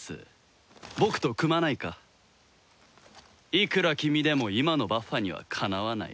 いくら君でも今のバッファにはかなわない。